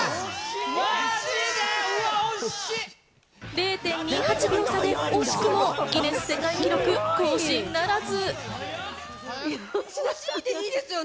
０．２８秒差で惜しくもギネス世界記録更新ならず。